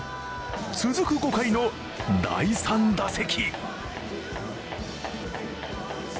続く５回の第３打席。